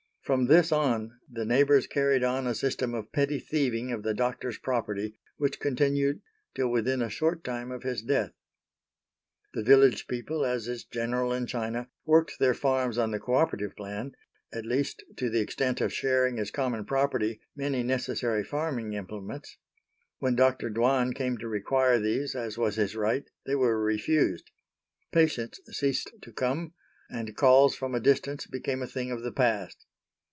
From this on the neighbors carried on a system of petty thieving of the doctor's property which continued till within a short time of his death. The village people, as is general in China, worked their farms on the co operative plan, at least to the extent of sharing as common property many necessary farming implements. When Dr. Dwan came to require these as was his right, they were refused. Patients ceased to come, and calls from a distance became a thing of the past.